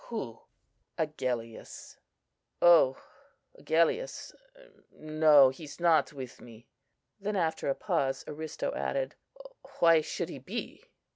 "Who?" "Agellius." "Oh! Agellius! No, he's not with me." Then, after a pause, Aristo added, "Why should he be?"